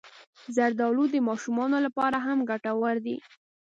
زردالو د ماشومانو لپاره هم ګټور دی.